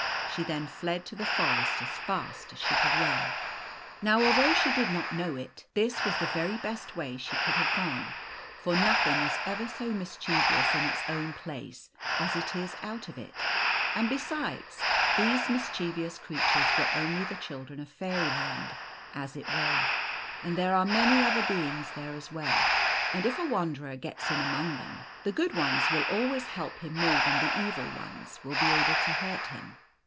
She then fled to the forest as fast as she could run. Now, although she did not know it, this was the very best way she could have gone ; for nothing is ever so mischievous in its own place as it is out of it ; and, besides, these mischievous creatures were only the children of Fairyland, as it were, and there are many other beings there as well ; and if a wanderer gets in among them, the good ones will always help him more than the evil ones will be able to hurt him.